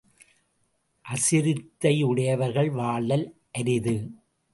அசிரத்தையுடையவர்கள் வாழ்தல் அரிது!